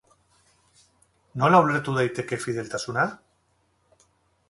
Nola ulertu daiteke fideltasuna?